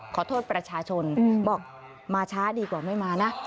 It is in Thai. ขอโทษประชาชนบอกมาช้าดีกว่าไม่มานะ